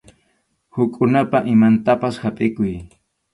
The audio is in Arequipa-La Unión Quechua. Hukkunapa imantapas hapʼikuy.